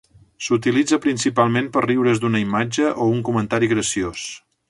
S'utilitza principalment per riure's d'una imatge o un comentari graciós.